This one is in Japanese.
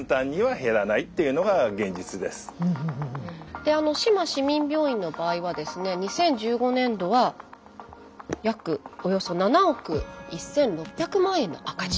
であの志摩市民病院の場合はですね２０１５年度は約およそ７億１，６００万の赤字。